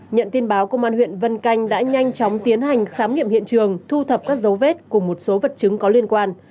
nhận tin báo công an huyện vân canh đã nhanh chóng tiến hành khám nghiệm hiện trường thu thập các dấu vết cùng một số vật chứng có liên quan